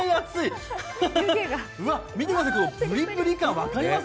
見てください、ぷりぷり感、分かります？